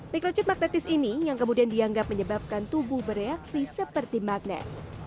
mikrochip magnetis ini yang kemudian dianggap menyebabkan tubuh bereaksi seperti magnet